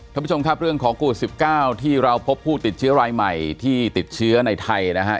ท่านผู้ชมครับเรื่องของโควิด๑๙ที่เราพบผู้ติดเชื้อรายใหม่ที่ติดเชื้อในไทยนะฮะ